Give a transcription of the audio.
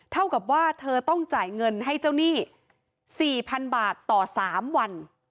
เท่ากับว่าเธอต้องจ่ายเงินให้เจ้าหนี้๔๐๐๐บาทต่อ๓วัน